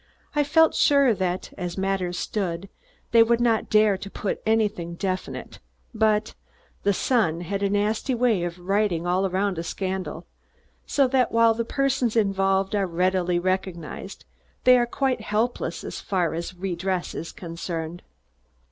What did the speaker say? I felt sure that, as matters stood, they would not dare to put in anything definite, but The Sun has a nasty way of writing all around a scandal, so that, while the persons involved are readily recognized, they are quite helpless as far as redress is concerned.